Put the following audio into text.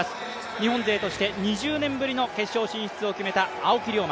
日本勢として２０年ぶりの決勝進出を決めた青木涼真。